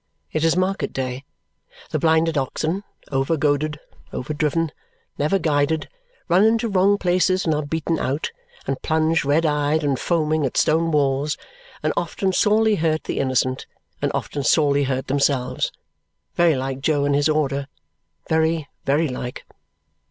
It is market day. The blinded oxen, over goaded, over driven, never guided, run into wrong places and are beaten out, and plunge red eyed and foaming at stone walls, and often sorely hurt the innocent, and often sorely hurt themselves. Very like Jo and his order; very, very like!